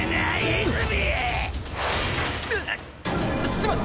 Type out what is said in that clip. しまった！！